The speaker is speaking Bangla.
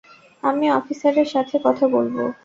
আমি অফিসারের সাথে কথা বলবো।